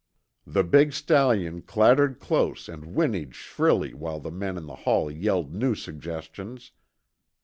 The big stallion clattered close and whinnied shrilly while the men in the hall yelled new suggestions.